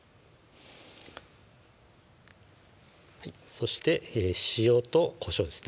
そして塩とこしょうですね